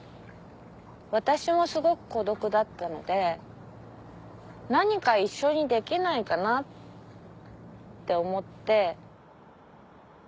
私もすごく孤独だったので何か一緒にできないかなって思って。